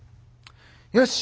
よし！